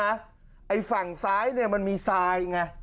ไอ้ฝั่งซ้ายเนี่ยมันมีทรายไง